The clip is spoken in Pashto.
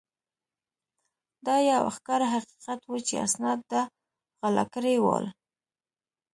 دا یو ښکاره حقیقت وو چې اسناد ده غلا کړي ول.